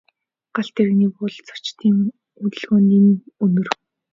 Галт тэрэгний буудалд зорчигчдын хөдөлгөөн нэн өнөр.